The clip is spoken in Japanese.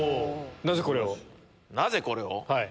「なぜこれを」？